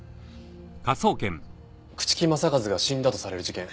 朽木政一が死んだとされる事件